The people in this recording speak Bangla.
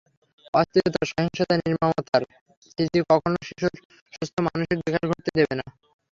অস্থিরতা, সহিংসতা, নির্মমতার স্মৃতি কখনো শিশুর সুস্থ মানসিক বিকাশ ঘটতে দেবে না।